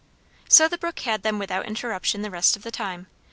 So the brook had them without interruption the rest of the time.